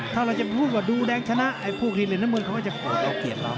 ถ้าเราจะพูดว่าดูแดงชนะไอ้พวกหินเลยน้ำมือเขาก็จะเอาเกียจเรา